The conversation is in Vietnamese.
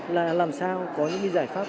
là làm sao có những giải pháp